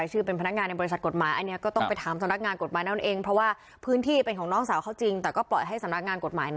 เขาบอกไหมว่าเขาบอกว่าคนที่ก็อยู่กับเราเลย